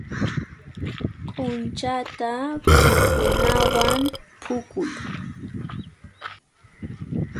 Q'unchata phukunawan phukuy.